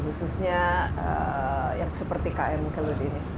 khususnya yang seperti km kelut ini